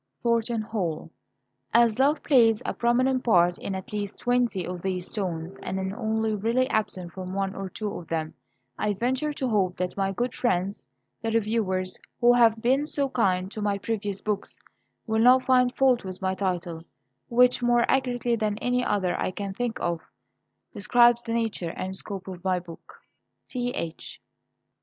THORNTON HALL. _As love plays a prominent part in at least twenty of these stones, and is only really absent from one or two of them, I venture to hope that my good friends, the reviewers, who have been so kind to my previous books, will not find fault with my title, which, more accurately than any other I can think of, describes the nature and scope of my book_. T.H.